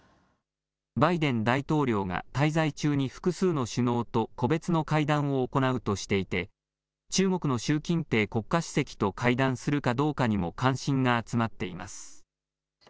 バイデン大統領が滞在中に複数の首脳と個別の会談を行うとしていて中国の習近平国家主席と会談するかどうかにも関心が集まっています。